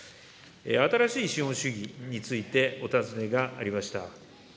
新しい資本主義についてお尋ねがありました。